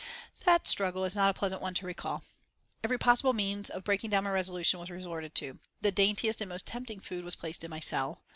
That struggle is not a pleasant one to recall. Every possible means of breaking down my resolution was resorted to. The daintiest and most tempting food was placed in my cell.